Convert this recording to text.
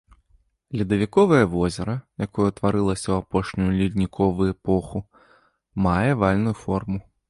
Ледавіковае возера, якое ўтварылася ў апошнюю ледніковы эпоху, мае авальную форму.